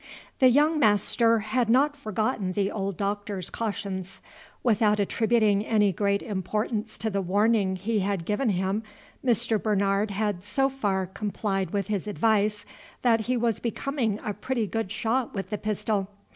The young master had not forgotten the old Doctor's cautions. Without attributing any great importance to the warning he had given him, Mr. Bernard had so far complied with his advice that he was becoming a pretty good shot with the pistol.